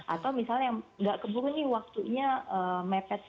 atau misalnya nggak kebung nih waktunya mepet